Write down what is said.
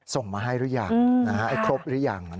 ส่งมาให้หรือยังให้ครบหรือยัง